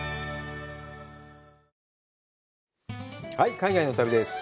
海外の旅です。